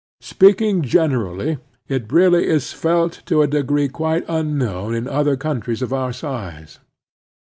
Speaking gen erally, it really is felt to a degree quite tmknown in other countries of our size.